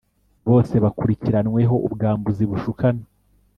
bose bakurikiranweho ubwambuzi bushukana